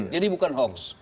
jadi bukan hoax